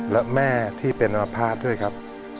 และแม่ที่เป็นอมภาษณ์ด้วยครับ